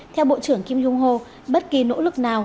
theo bộ trưởng kim jong ho bất kỳ nỗ lực nào